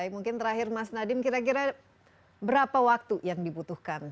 mungkin terakhir mas nadiem kira kira berapa waktu yang dibutuhkan